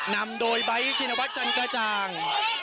นำโดยไบท์ชินวัฒนจันกระจ่าง